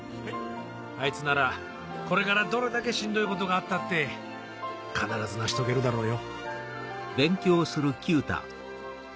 あいつならこれからどれだけしんどいことがあったって必ず成し遂げるだろうよ。